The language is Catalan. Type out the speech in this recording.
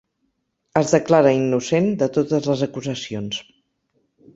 Es declara innocent de totes les acusacions.